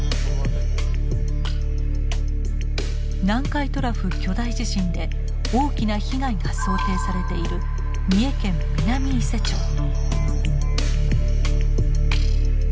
南海トラフ巨大地震で大きな被害が想定されている三重県南伊勢町。